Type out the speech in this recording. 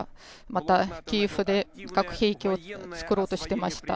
また、キエフで核兵器を作ろうとしていました。